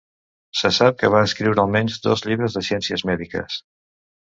Se sap que va escriure almenys dos llibres de ciències mèdiques.